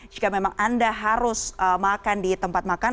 jika memang anda harus makan di tempat makan